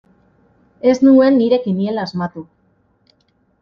Ez nuen nire kiniela asmatu.